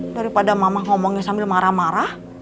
daripada mama ngomongnya sambil marah marah